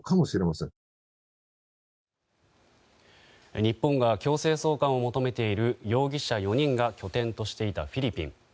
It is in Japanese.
日本が強制送還を求めている容疑者４人が拠点としていたフィリピン。